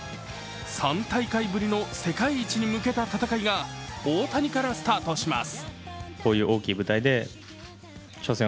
３大会ぶりの世界一に向けた戦いが大谷からスタートします。